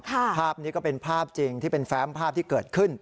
ภาพนี้ก็เป็นภาพจริงที่เป็นแฟมภาพที่เกิดขึ้น